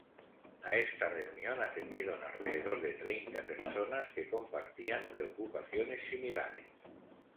A esta reunión atendieron alrededor de treinta personas que compartían preocupaciones similares.